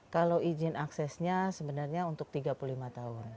kalau izin aksesnya sebenarnya untuk tiga puluh lima tahun